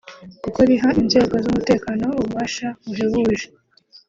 kuko riha inzego z’umutekano ububasha buhebuje